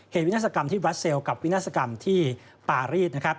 วินาศกรรมที่บราเซลกับวินาศกรรมที่ปารีสนะครับ